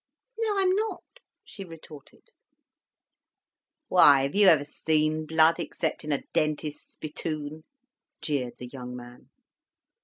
"No, I'm not," she retorted. "Why, have you ever seen blood, except in a dentist's spittoon?" jeered the young man.